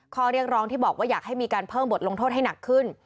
ข้อเรียกร้องที่บอกว่าอยากให้มีการเพิ่มบทลงโทษให้หนักขึ้น